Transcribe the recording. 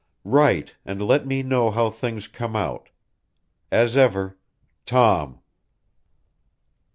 Write and let me know how things come out. As ever, TOM.